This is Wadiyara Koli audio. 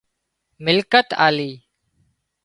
ملڪيت آلي